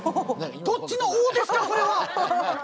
どっちの「お！」ですかこれは。